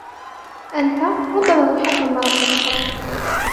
أنتَ, ربما محق مرةً أخرى.